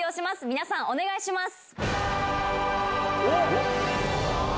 皆さん、お願いします。